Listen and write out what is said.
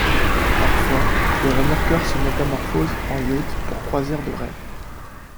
Parfois, le remorqueur se métamorphose en yacht pour croisières de rêve.